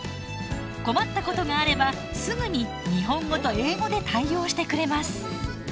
困ったことがあればすぐに日本語と英語で対応してくれます。